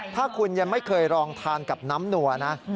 ถ้าคุณยังไม่เคยลองทานกับน้ำนัวนะ